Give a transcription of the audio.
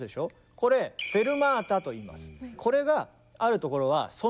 これフェルマータといいます。